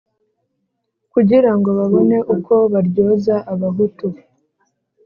kugira ngo babone uko baryoza abahutu,